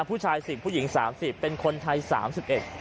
ผู้ชายสิบผู้หญิงสามสิบเป็นคนไทยสามสิบเอ็ด